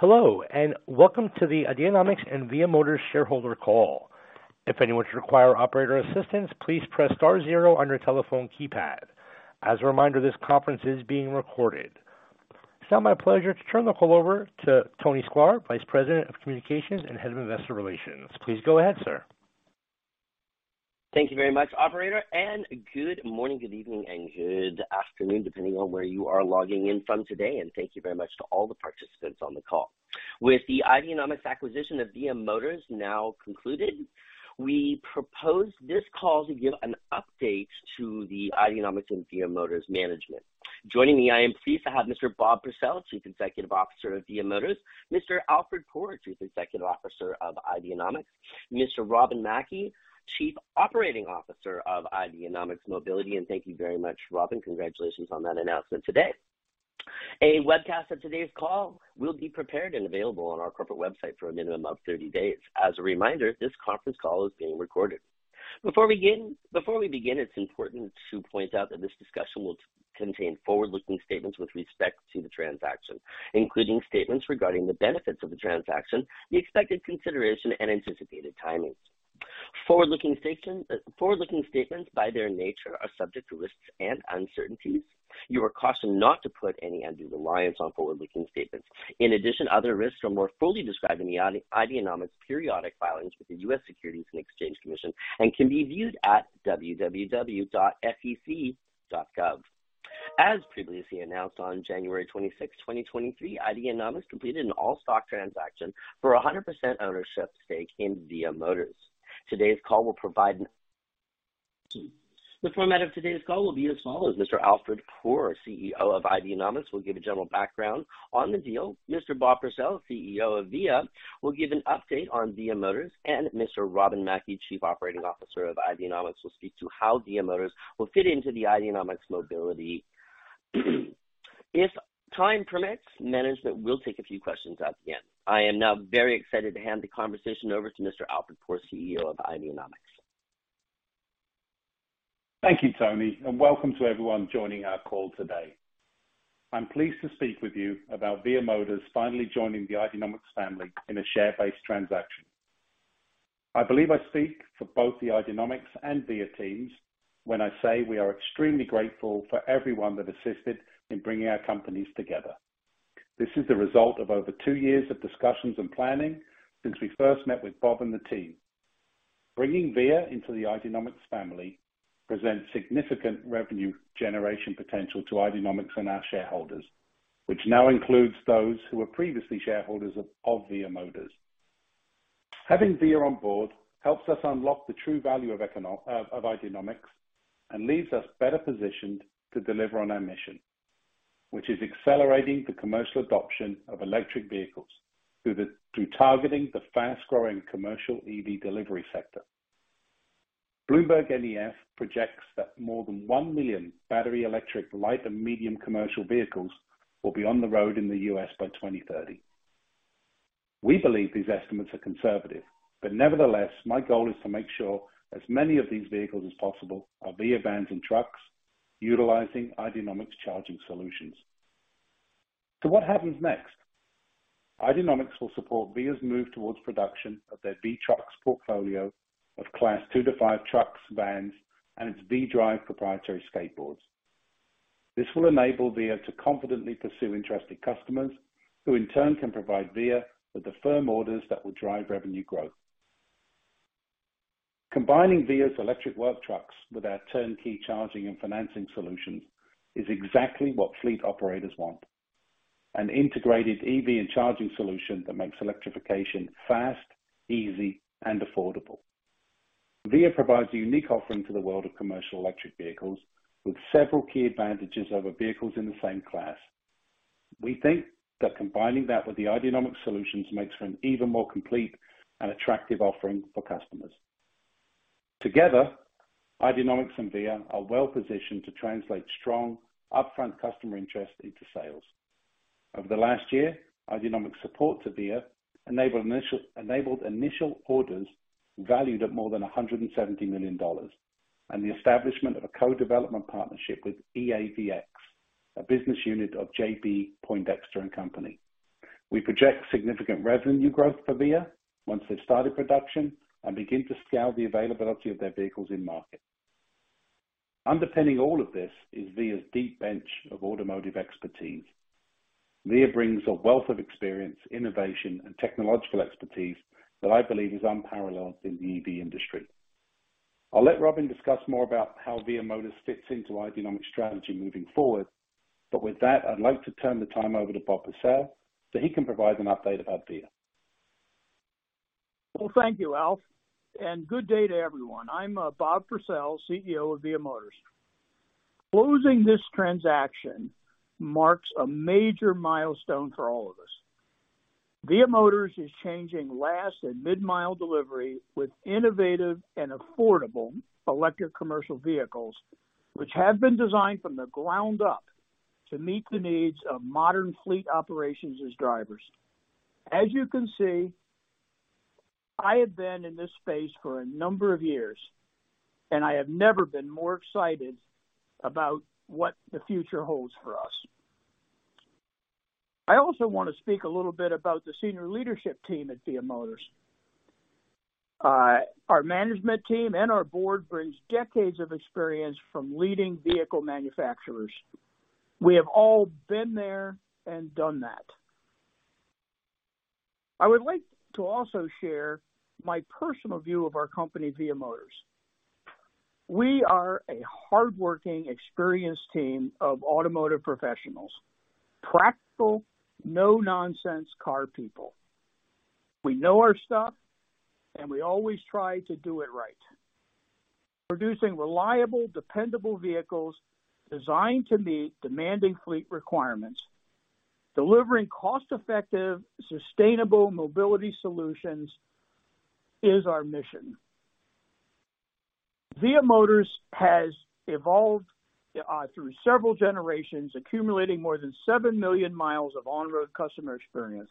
Hello, welcome to the Ideanomics and VIA Motors shareholder call. If anyone require operator assistance, please press star zero on your telephone keypad. As a reminder, this conference is being recorded. It's now my pleasure to turn the call over to Tony Sklar, Vice President of Communications and Head of Investor Relations. Please go ahead, sir. Thank you very much, operator, good morning, good evening, and good afternoon, depending on where you are logging in from today. Thank you very much to all the participants on the call. With the Ideanomics acquisition of VIA Motors now concluded, we propose this call to give an update to the Ideanomics and VIA Motors management. Joining me, I am pleased to have Mr. Bob Purcell, Chief Executive Officer of VIA Motors, Mr. Alf Poor, Chief Executive Officer of Ideanomics, Mr. Robin Mackie, Chief Operating Officer of Ideanomics Mobility, and thank you very much, Robin. Congratulations on that announcement today. A webcast of today's call will be prepared and available on our corporate website for a minimum of 30 days. As a reminder, this conference call is being recorded. Before we begin, it's important to point out that this discussion will contain forward-looking statements with respect to the transaction, including statements regarding the benefits of the transaction, the expected consideration, and anticipated timings. Forward-looking statements, by their nature, are subject to risks and uncertainties. You are cautioned not to put any undue reliance on forward-looking statements. In addition, other risks are more fully described in the Ideanomics periodic filings with the U.S. Securities and Exchange Commission and can be viewed at www.sec.gov. As previously announced on January 26th, 2023, Ideanomics completed an all-stock transaction for 100% ownership stake in VIA Motors. The format of today's call will be as follows. Mr. Alf Poor, CEO of Ideanomics, will give a general background on the deal. Mr. Bob Purcell, CEO of VIA, will give an update on VIA Motors. Robin Mackie, Chief Operating Officer of Ideanomics, will speak to how VIA Motors will fit into the Ideanomics Mobility. If time permits, management will take a few questions at the end. I am now very excited to hand the conversation over to Mr. Alf Poor, CEO of Ideanomics. Thank you, Tony. Welcome to everyone joining our call today. I'm pleased to speak with you about VIA Motors finally joining the Ideanomics family in a share-based transaction. I believe I speak for both the Ideanomics and VIA teams when I say we are extremely grateful for everyone that assisted in bringing our companies together. This is the result of over two years of discussions and planning since we first met with Bob and the team. Bringing VIA into the Ideanomics family presents significant revenue generation potential to Ideanomics and our shareholders, which now includes those who were previously shareholders of VIA Motors. Having VIA on board helps us unlock the true value of Ideanomics and leaves us better positioned to deliver on our mission, which is accelerating the commercial adoption of electric vehicles through targeting the fast-growing commercial EV delivery sector. BloombergNEF projects that more than 1 million battery electric light and medium commercial vehicles will be on the road in the U.S. by 2030. We believe these estimates are conservative, nevertheless, my goal is to make sure as many of these vehicles as possible are VIA vans and trucks utilizing Ideanomics charging solutions. What happens next? Ideanomics will support VIA's move towards production of their VTRUX portfolio of Class 2 to 5 trucks, vans, and its VDRIVE proprietary skateboards. This will enable VIA to confidently pursue interested customers, who in turn can provide VIA with the firm orders that will drive revenue growth. Combining VIA's electric work trucks with our turnkey charging and financing solutions is exactly what fleet operators want. An integrated EV and charging solution that makes electrification fast, easy, and affordable. Via provides a unique offering to the world of commercial electric vehicles with several key advantages over vehicles in the same class. We think that combining that with the Ideanomics solutions makes for an even more complete and attractive offering for customers. Together, Ideanomics and Via are well-positioned to translate strong upfront customer interest into sales. Over the last year, Ideanomics support to Via enabled initial orders valued at more than $170 million, and the establishment of a co-development partnership with EAVX, a business unit of J.B. Poindexter & Co. We project significant revenue growth for Via once they've started production and begin to scale the availability of their vehicles in market. Underpinning all of this is Via's deep bench of automotive expertise. Via brings a wealth of experience, innovation, and technological expertise that I believe is unparalleled in the EV industry. I'll let Robin discuss more about how VIA Motors fits into Ideanomics strategy moving forward. With that, I'd like to turn the time over to Bob Purcell so he can provide an update about Via. Well, thank you, Alf, and good day to everyone. I'm Bob Purcell, CEO of VIA Motors. Closing this transaction marks a major milestone for all of us. VIA Motors is changing last and mid-mile delivery with innovative and affordable electric commercial vehicles, which have been designed from the ground up to meet the needs of modern fleet operations as drivers. As you can seeI have been in this space for a number of years, and I have never been more excited about what the future holds for us. I also want to speak a little bit about the senior leadership team at VIA Motors. Our management team and our board brings decades of experience from leading vehicle manufacturers. We have all been there and done that. I would like to also share my personal view of our company, VIA Motors. We are a hardworking, experienced team of automotive professionals, practical, no-nonsense car people. We know our stuff, and we always try to do it right. Producing reliable, dependable vehicles designed to meet demanding fleet requirements, delivering cost-effective, sustainable mobility solutions is our mission. VIA Motors has evolved through several generations, accumulating more than 7 million miles of on-road customer experience.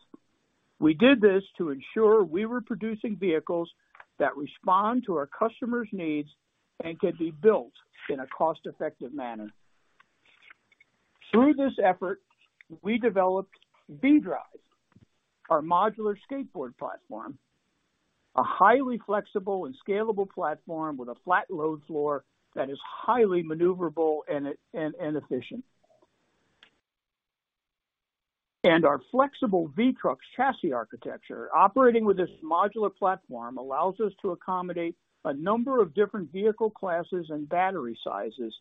We did this to ensure we were producing vehicles that respond to our customers' needs and can be built in a cost-effective manner. Through this effort, we developed VDRIVE, our modular skateboard platform, a highly flexible and scalable platform with a flat load floor that is highly maneuverable and efficient. Our flexible VTRUX chassis architecture operating with this modular platform allows us to accommodate a number of different vehicle classes and battery sizes.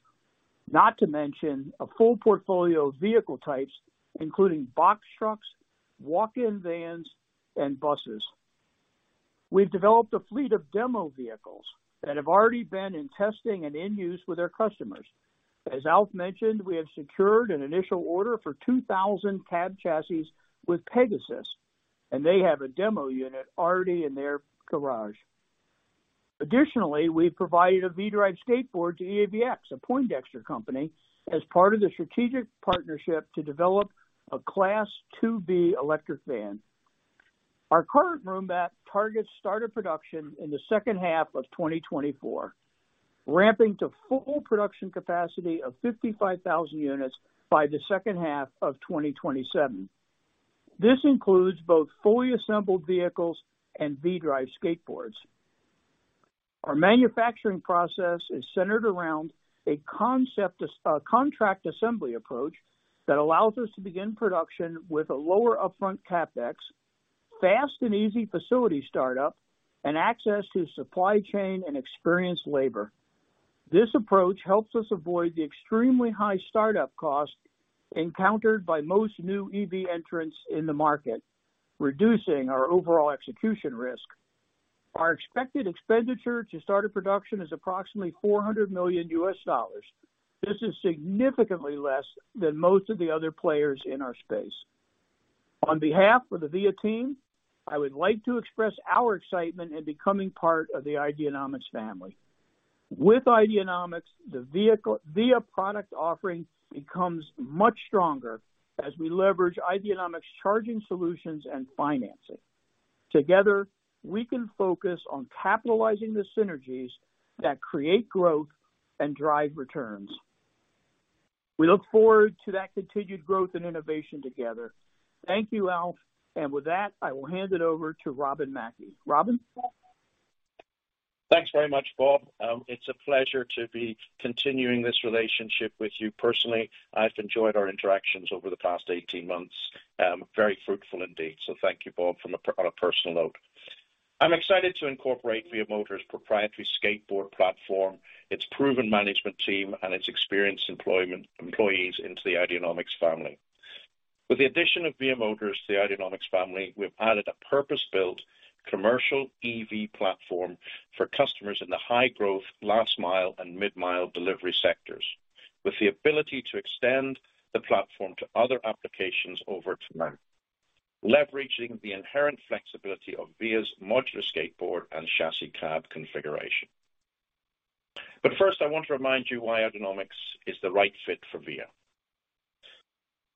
Not to mention a full portfolio of vehicle types, including box trucks, walk-in vans, and buses. We've developed a fleet of demo vehicles that have already been in testing and in use with our customers. As Alf mentioned, we have secured an initial order for 2,000 cab chassis with Pegasus, and they have a demo unit already in their garage. Additionally, we've provided a VDRIVE skateboard to EAVX, a Poindexter company, as part of the strategic partnership to develop a Class 2B electric van. Our current roadmap targets started production in the second half of 2024, ramping to full production capacity of 55,000 units by the second half of 2027. This includes both fully assembled vehicles and VDRIVE skateboards. Our manufacturing process is centered around a contract assembly approach that allows us to begin production with a lower upfront CapEx, fast and easy facility start-up, and access to supply chain and experienced labor. This approach helps us avoid the extremely high start-up costs encountered by most new EV entrants in the market, reducing our overall execution risk. Our expected expenditure to start a production is approximately $400 million. This is significantly less than most of the other players in our space. On behalf of the VIA team, I would like to express our excitement in becoming part of the Ideanomics family. With Ideanomics, the VIA product offering becomes much stronger as we leverage Ideanomics charging solutions and financing. Together, we can focus on capitalizing the synergies that create growth and drive returns. We look forward to that continued growth and innovation together. Thank you, Alf. With that, I will hand it over to Robin Mackie. Robin? Thanks very much, Bob. It's a pleasure to be continuing this relationship with you personally. I've enjoyed our interactions over the past 18 months, very fruitful indeed. Thank you, Bob, on a personal note. I'm excited to incorporate VIA Motors proprietary skateboard platform, its proven management team, and its experienced employees into the Ideanomics family. With the addition of VIA Motors to the Ideanomics family, we've added a purpose-built commercial EV platform for customers in the high-growth last mile and mid mile delivery sectors, with the ability to extend the platform to other applications over time, leveraging the inherent flexibility of VIA's modular skateboard and chassis cab configuration. First, I want to remind you why Ideanomics is the right fit for VIA.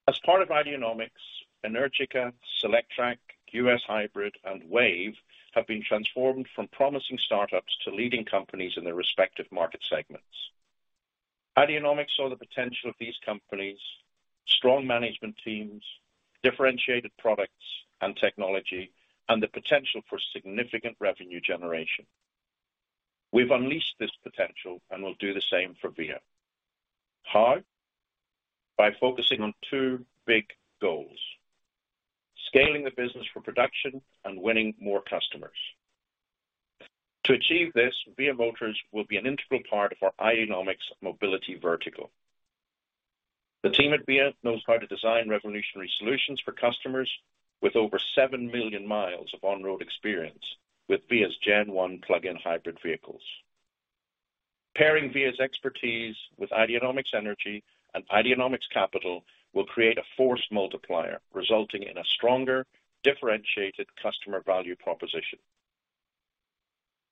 As part of Ideanomics, Energica, Solectrac, US Hybrid, and WAVE have been transformed from promising startups to leading companies in their respective market segments. Ideanomics saw the potential of these companies, strong management teams, differentiated products and technology, and the potential for significant revenue generation. We've unleashed this potential and will do the same for VIA Motors. How? By focusing on two big goals, scaling the business for production and winning more customers. To achieve this, VIA Motors will be an integral part of our Ideanomics Mobility vertical. The team at VIA Motors knows how to design revolutionary solutions for customers with over 7 million miles of on-road experience with VIA's first generation plug-in hybrid vehicles. Pairing VIA's expertise with Ideanomics Energy and Ideanomics Capital will create a force multiplier, resulting in a stronger, differentiated customer value proposition.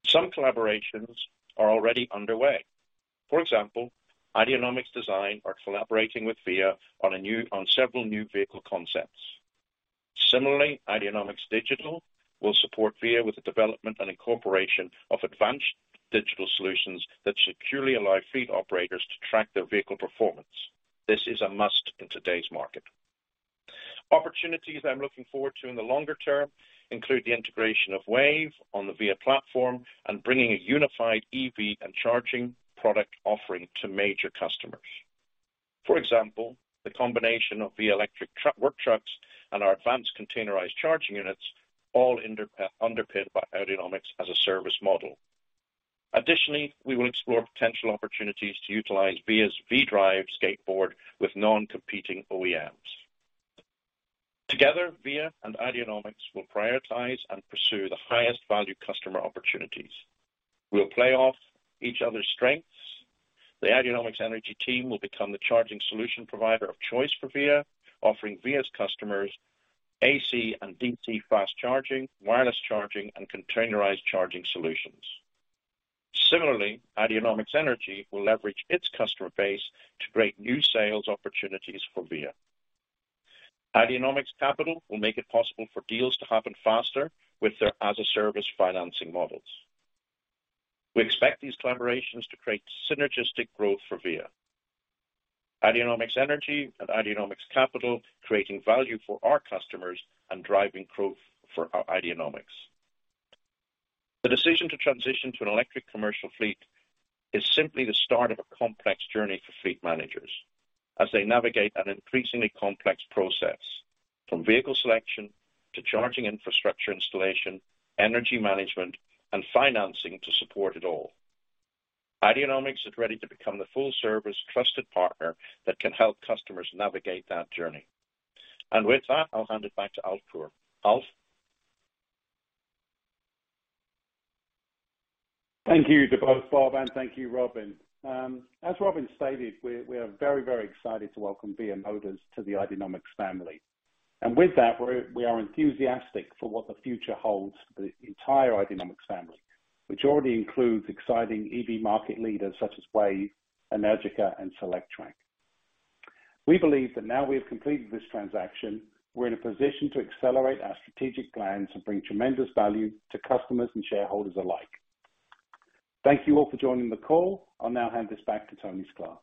Some collaborations are already underway. For example, Ideanomics Design are collaborating with VIA on several new vehicle concepts. Similarly, Ideanomics Digital will support VIA with the development and incorporation of advanced digital solutions that securely allow fleet operators to track their vehicle performance. This is a must in today's market. Opportunities I'm looking forward to in the longer term include the integration of WAVE on the VIA platform and bringing a unified EV and charging product offering to major customers. For example, the combination of VIA electric work trucks and our advanced containerized charging units, underpinned by Ideanomics as-a-service model. Additionally, we will explore potential opportunities to utilize VIA's VDRIVE skateboard with non-competing OEMs. Together, VIA and Ideanomics will prioritize and pursue the highest value customer opportunities. We'll play off each other's strengths. The Ideanomics Energy team will become the charging solution provider of choice for Via, offering Via's customers AC and DC fast charging, wireless charging, and containerized charging solutions. Similarly, Ideanomics Energy will leverage its customer base to create new sales opportunities for Via. Ideanomics Capital will make it possible for deals to happen faster with their as-a-service financing models. We expect these collaborations to create synergistic growth for Via. Ideanomics Energy and Ideanomics Capital creating value for our customers and driving growth for our Ideanomics. The decision to transition to an electric commercial fleet is simply the start of a complex journey for fleet managers as they navigate an increasingly complex process, from vehicle selection to charging infrastructure installation, energy management, and financing to support it all. Ideanomics is ready to become the full service trusted partner that can help customers navigate that journey. With that, I'll hand it back to Alf Poor. Alf? Thank you to both Bob and thank you, Robin. As Robin stated, we are very excited to welcome VIA Motors to the Ideanomics family. With that, we are enthusiastic for what the future holds for the entire Ideanomics family, which already includes exciting EV market leaders such as WAVE, Energica, and Solectrac. We believe that now we have completed this transaction, we are in a position to accelerate our strategic plans and bring tremendous value to customers and shareholders alike. Thank you all for joining the call. I'll now hand this back to Tony Sklar.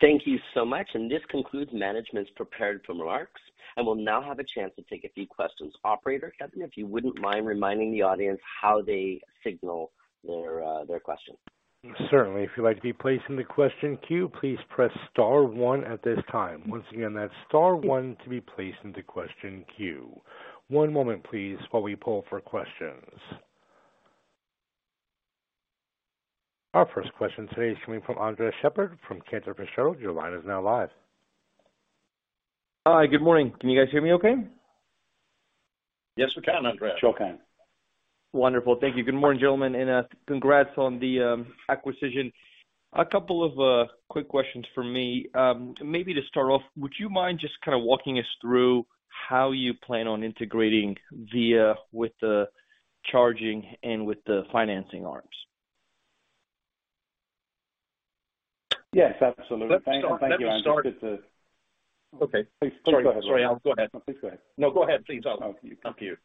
Thank you so much. This concludes management's prepared remarks. We'll now have a chance to take a few questions. Operator, if you wouldn't mind reminding the audience how they signal their question. Certainly. If you'd like to be placed in the question queue, please press star one at this time. Once again, that's star one to be placed into question queue. One moment, please, while we pull for questions. Our first question today is coming from Andres Sheppard from Cantor Fitzgerald. Your line is now live. Hi. Good morning. Can you guys hear me okay? Yes, we can, Andres. Sure we can. Wonderful. Thank you. Good morning, gentlemen, and congrats on the acquisition. A couple of quick questions from me. Maybe to start off, would you mind just kind of walking us through how you plan on integrating VIA with the charging and with the financing arms? Yes, absolutely. Thank you. Let me start. It's. Okay. Please go ahead. Sorry, Alf, go ahead. No, please go ahead. No, go ahead, please, Alf. After you. After you.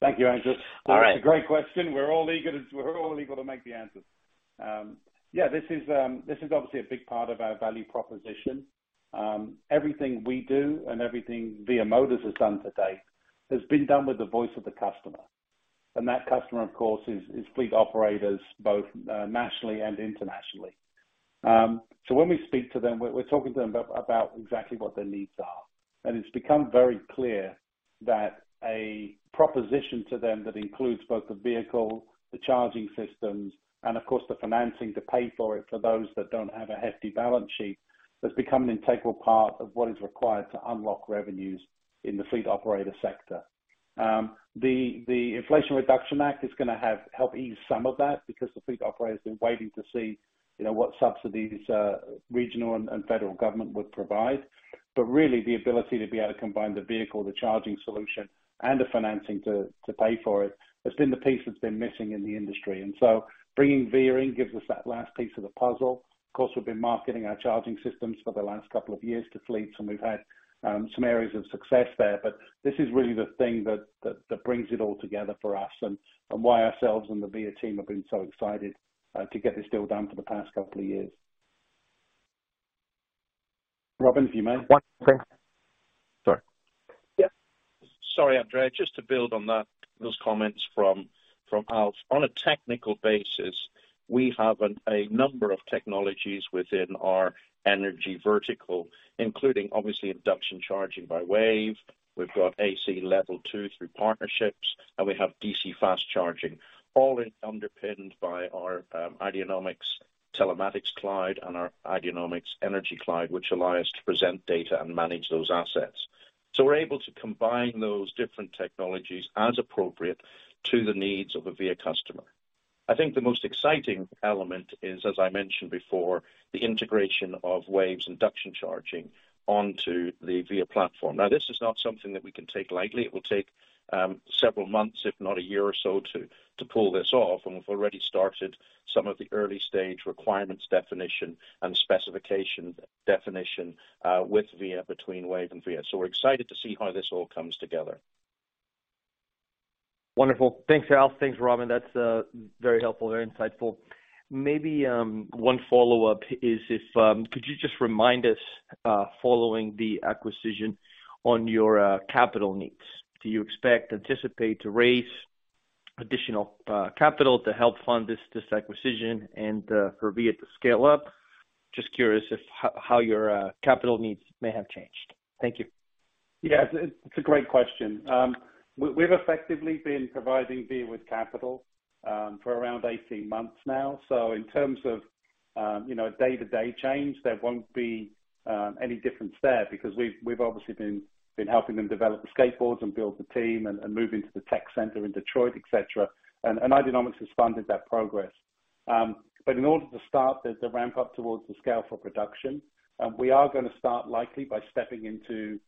Thank you, Andres. All right. That's a great question. We're all eager to make the answers. Yeah, this is, this is obviously a big part of our value proposition. Everything we do and everything VIA Motors has done to date has been done with the voice of the customer. That customer, of course, is fleet operators both nationally and internationally. When we speak to them, we're talking to them about exactly what their needs are. It's become very clear that a proposition to them that includes both the vehicle, the charging systems, and of course, the financing to pay for it for those that don't have a hefty balance sheet, has become an integral part of what is required to unlock revenues in the fleet operator sector. The Inflation Reduction Act is gonna help ease some of that because the fleet operator has been waiting to see, you know, what subsidies, regional and federal government would provide. Really the ability to be able to combine the vehicle, the charging solution, and the financing to pay for it's been the piece that's been missing in the industry. Bringing VIA in gives us that last piece of the puzzle. Of course, we've been marketing our charging systems for the last couple of years to fleets, and we've had some areas of success there. This is really the thing that brings it all together for us and why ourselves and the VIA team have been so excited to get this deal done for the past couple of years. Robin, if you may. One second. Sorry. Yeah. Sorry, Andres. Just to build on that, those comments from Alf. On a technical basis, we have a number of technologies within our energy vertical, including obviously induction charging by WAVE. We've got AC Level 2 through partnerships, and we have DC fast charging, all underpinned by our Ideanomics Telematics Cloud and our Ideanomics Energy cloud, which allow us to present data and manage those assets. We're able to combine those different technologies as appropriate to the needs of a VIA customer. I think the most exciting element is, as I mentioned before, the integration of WAVE's induction charging onto the VIA platform. This is not something that we can take lightly. It will take several months, if not a year or so, to pull this off. We've already started some of the early-stage requirements definition and specification definition with VIA between WAVE and VIA. We're excited to see how this all comes together. Wonderful. Thanks, Alf. Thanks, Robin. That's very helpful, very insightful. Maybe one follow-up is if, could you just remind us, following the acquisition on your capital needs? Do you expect, anticipate to raise additional capital to help fund this acquisition and for VIA to scale up? Just curious if how your capital needs may have changed. Thank you. Yeah, it's a great question. We've effectively been providing Via with capital for around 18 months now. In terms of, you know, day-to-day change, there won't be any difference there because we've obviously been helping them develop the skateboards and build the team and move into the tech center in Detroit, et cetera. Ideanomics has funded that progress. In order to start the ramp up towards the scale for production, we are gonna start likely by stepping into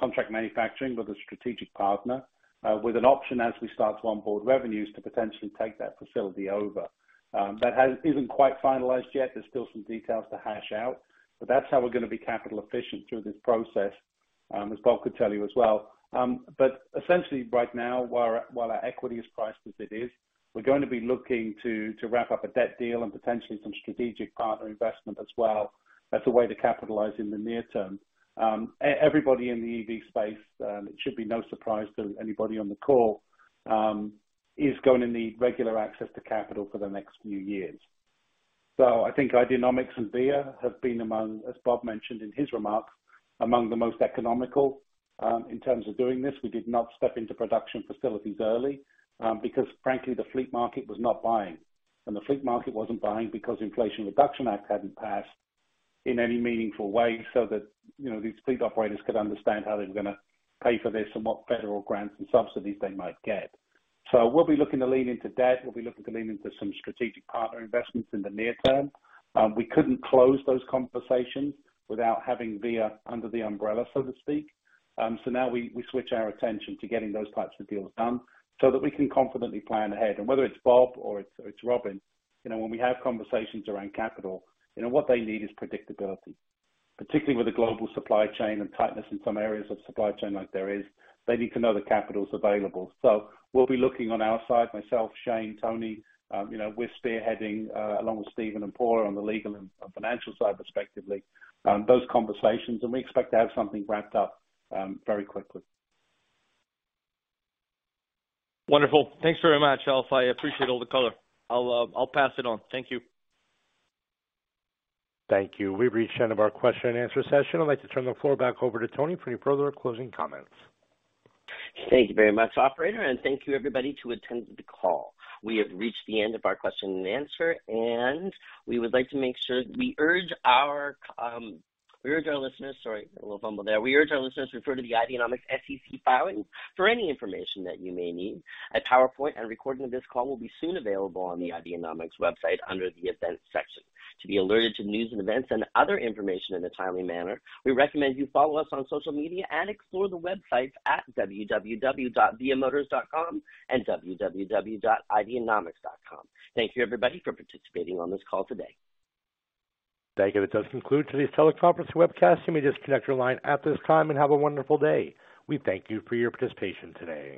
contract manufacturing with a strategic partner with an option as we start to onboard revenues to potentially take that facility over. That hasn't even quite finalized yet. There's still some details to hash out. That's how we're gonna be capital efficient through this process, as Bob could tell you as well. Essentially right now, while our equity is priced as it is, we're going to be looking to wrap up a debt deal and potentially some strategic partner investment as well as a way to capitalize in the near term. Everybody in the EV space, it should be no surprise to anybody on the call, is going to need regular access to capital for the next few years. I think Ideanomics and Via have been among, as Bob mentioned in his remarks, among the most economical. In terms of doing this, we did not step into production facilities early, because frankly, the fleet market was not buying. The fleet market wasn't buying because Inflation Reduction Act hadn't passed in any meaningful way so that, you know, these fleet operators could understand how they were gonna pay for this and what federal grants and subsidies they might get. We'll be looking to lean into debt. We'll be looking to lean into some strategic partner investments in the near term. We couldn't close those conversations without having VIA under the umbrella, so to speak. Now we switch our attention to getting those types of deals done so that we can confidently plan ahead. Whether it's Bob or it's Robin, you know, when we have conversations around capital, you know, what they need is predictability, particularly with the global supply chain and tightness in some areas of supply chain like there is. They need to know the capital is available. We'll be looking on our side, myself, Shane, Tony, you know, we're spearheading, along with Stephen and Paul on the legal and financial side, respectively, those conversations, and we expect to have something wrapped up, very quickly. Wonderful. Thanks very much, Alf. I appreciate all the color. I'll pass it on. Thank you. Thank you. We've reached the end of our question and answer session. I'd like to turn the floor back over to Tony for any further closing comments. Thank you very much, operator. Thank you everybody who attended the call. We have reached the end of our question and answer, and we would like to make sure we urge our listeners. Sorry, a little fumble there. We urge our listeners to refer to the Ideanomics SEC filings for any information that you may need. A PowerPoint and recording of this call will be soon available on the Ideanomics website under the Events section. To be alerted to news and events and other information in a timely manner, we recommend you follow us on social media and explore the websites at www.viamotors.com and www.ideanomics.com. Thank you everybody for participating on this call today. Thank you. That does conclude today's teleconference webcast. You may disconnect your line at this time, and have a wonderful day. We thank you for your participation today.